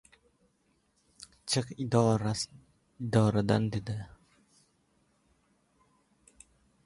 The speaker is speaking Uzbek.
— Chiq idoradan! - dedi.